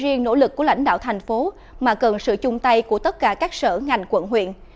riêng nỗ lực của lãnh đạo thành phố mà cần sự chung tay của tất cả các sở ngành quận huyện